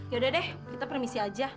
yaudah deh kita permisi aja